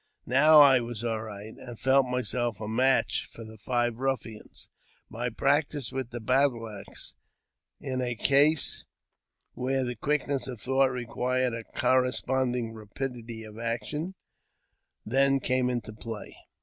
Now I was all right, and felt myself a match for the five ruffians. My practice with the battle axe, in a case where the quickness of thought required a corresponding rapidity of action, then came into play.